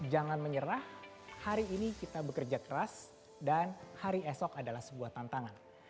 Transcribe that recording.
jangan menyerah hari ini kita bekerja keras dan hari esok adalah sebuah tantangan